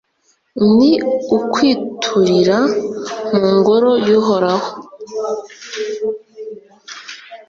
ni ukwiturira mu ngoro y'uhoraho